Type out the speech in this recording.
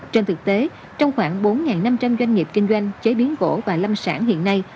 trên thực tế trong khoảng bốn năm trăm linh doanh nghiệp kinh doanh chế biến gỗ và lâm sản hiện nay